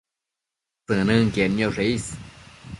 tsënënquied nioshe is